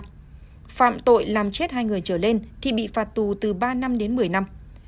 phạm tội làm chết hai người trở lên thì bị phạt tù từ ba năm đến một mươi năm